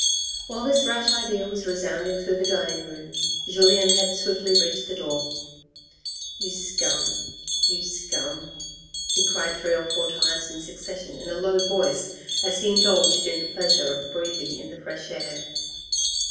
While this rash idea was resounding through the dining room Julien had swiftly reached the front door. "You scum, you scum," he cried, three or four times in succession in a low voice as he indulged in the pleasure of breathing in the fresh air.